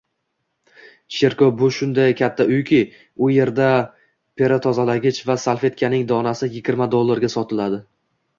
Cherkov bu shunday katta uyki, u erda perotozalagich va salfetkaning donasi yigirma dollardan sotiladi